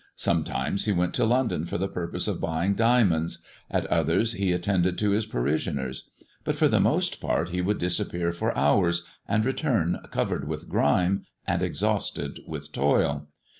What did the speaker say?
Sometimes he went to London for the purpose of buying diamonds, at others he attended to his parishioners ; but for the most part he would disappear for hours, and return covered with grime, and exhausted with toil.